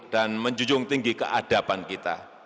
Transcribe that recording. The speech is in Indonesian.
dan menjunjung tinggi keadaban kita